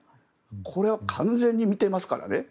これは完全に見ていますからね。